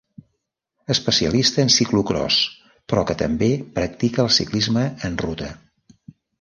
Especialista en ciclocròs, però que també practica el ciclisme en ruta.